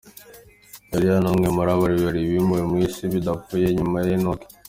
Eliya ni umwe muri babiri bimuwe mu isi badapfuye, nyuma ya Enoki.